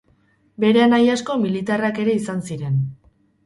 Bere anai asko militarrak ere izan ziren.